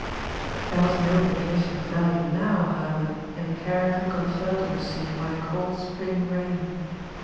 There was no indication of value now, however, in the character conferred on the scene by a cold spring rain.